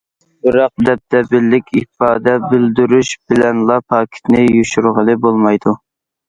بىراق، دەبدەبىلىك ئىپادە بىلدۈرۈش بىلەنلا پاكىتنى يوشۇرغىلى بولمايدۇ.